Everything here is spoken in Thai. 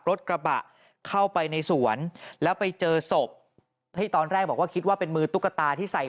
หลังจากพบศพผู้หญิงปริศนาตายตรงนี้ครับ